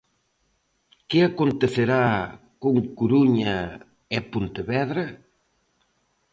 Que acontecerá con Coruña e Pontevedra?